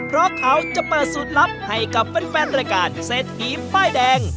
เพราะเขาจะเปิดสูตรลับให้กับแฟนรายการเศรษฐีป้ายแดง